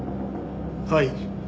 はい。